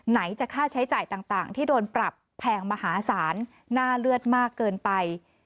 ไหนจะค่าใช้จ่ายต่างที่โดนปรับแพงมหาศาลหน้าเลือดมากเกินไป